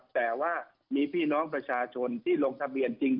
แต่ว่ามีพี่น้องประชาชนที่ลงทะเบียนจริง